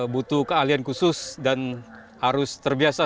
butuh keahlian khusus dan harus terbiasa